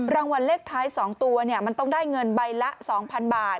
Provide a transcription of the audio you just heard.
รางวัลเลขท้าย๒ตัวมันต้องได้เงินใบละ๒๐๐๐บาท